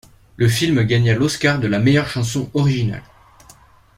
Le film gagna l'Oscar de la meilleure chanson originale.